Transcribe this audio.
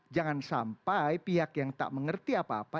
jangan sampai pihak yang tak mengerti apa apa